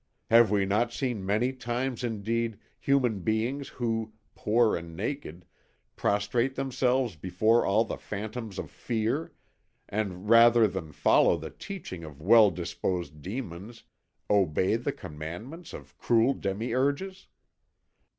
Have we not seen many times indeed human beings who, poor and naked, prostrate themselves before all the phantoms of fear, and rather than follow the teaching of well disposed demons, obey the commandments of cruel demiurges?